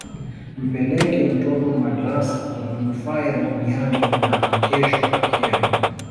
mpeleke mtoto madrasa kwa manufaa ya duniani na kesho akhera